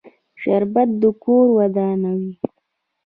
شربت د کور ودانوي